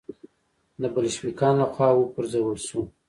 د بلشویکانو له خوا و پرځول شو.